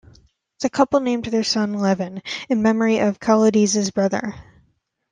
The couple named their son Levan, in memory of Kaladze's brother.